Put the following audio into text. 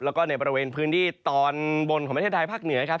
แล้วก็ในบริเวณพื้นที่ตอนบนของประเทศไทยภาคเหนือครับ